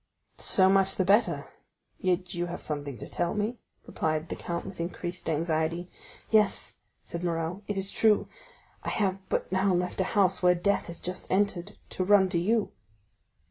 "So much the better; yet you have something to tell me?" replied the count with increased anxiety. "Yes," said Morrel, "it is true; I have but now left a house where death has just entered, to run to you."